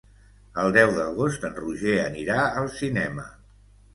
El deu d'agost en Roger anirà al cinema.